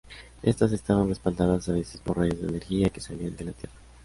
Estas estaban respaldadas a veces por rayos de energía que salían de la tierra.